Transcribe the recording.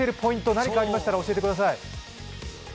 何かありましたら教えてください。